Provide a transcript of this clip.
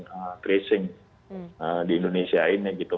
melakukan tracing di indonesia ini gitu